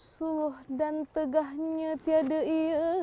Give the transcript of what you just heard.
barang siapa mengenal diri